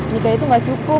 nikah itu gak cukup